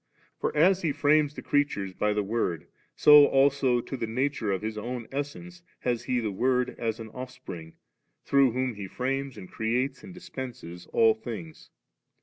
For as He frames tiie creatures by the Word, so according to the nature of His own Essence has He the Word as an OiKpring, through whom He frames and creates and dispenses all thmgs.